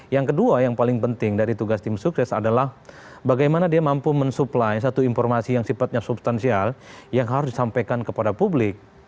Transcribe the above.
yang kedua yang paling penting dari tugas tim sukses adalah bagaimana dia mampu mensupply satu informasi yang sifatnya substansial yang harus disampaikan kepada publik